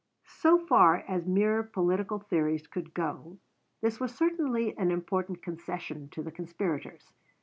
So far as mere political theories could go, this was certainly an important concession to the conspirators.